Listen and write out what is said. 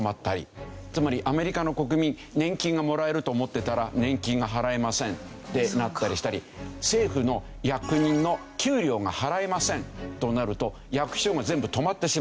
つまりアメリカの国民年金がもらえると思ってたら年金が払えませんってなったりしたり政府の役人の給料が払えませんとなると役所が全部止まってしまう。